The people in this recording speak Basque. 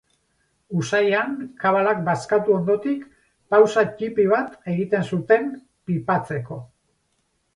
Usaian, kabalak bazkatu ondotik pausa ttipi bat egiten zuten pipatzeko.